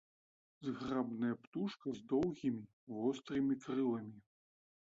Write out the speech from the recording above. Зграбная птушка з доўгімі, вострымі крыламі.